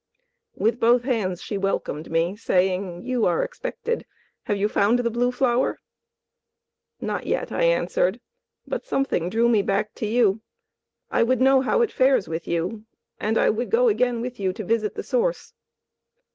With both hands she welcomed me, saying: "You are expected. Have you found the Blue Flower?" "Not yet," I answered, "but something drew me back to you. I would know how it fares with you, and I would go again with you to visit the Source."